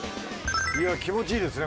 気持ちいいですね